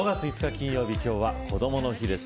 金曜日今日は、こどもの日です。